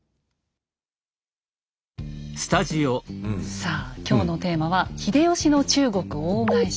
さあ今日のテーマは「秀吉の中国大返し」。